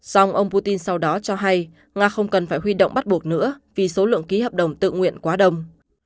song ông putin sau đó cho hay nga không cần phải huy động bắt buộc nữa vì số lượng ký hợp đồng tự nguyện quá đông